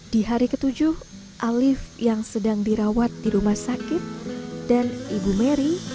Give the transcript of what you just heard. di hari ketujuh alif yang sedang dirawat di rumah sakit dan ibu mary